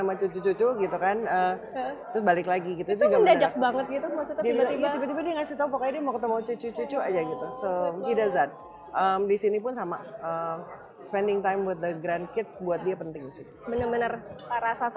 sama cucu cucu gitu kan balik lagi gitu udah banget gitu maksudnya tiba tiba dikasih tahu